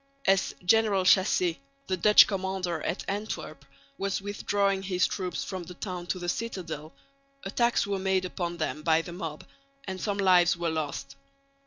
As General Chassé, the Dutch commander at Antwerp, was withdrawing his troops from the town to the citadel, attacks were made upon them by the mob, and some lives were lost.